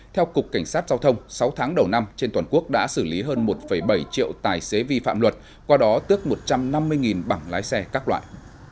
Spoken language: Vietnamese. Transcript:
theo cục cảnh sát giao thông sáu tháng đầu năm trên toàn quốc đã xử lý hơn một bảy triệu tài xế vi phạm luật qua đó tước một trăm năm mươi bảng lái xe các loại